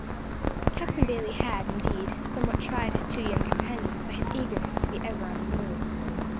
Captain Bayley had, indeed, somewhat tried his two young companions by his eagerness to be ever on the move.